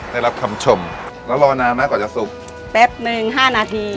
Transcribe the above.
ได้รับคำชมแล้วรอนานมากกว่าจะสุกแป๊บหนึ่งห้านาที